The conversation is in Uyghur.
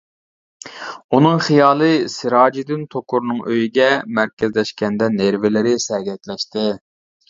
ئۇنىڭ خىيالى سىراجىدىن توكۇرنىڭ ئۆيىگە مەركەزلەشكەندە نېرۋىلىرى سەگەكلەشتى.